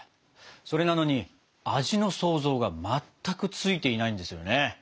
それなのに味の想像が全くついていないんですよね。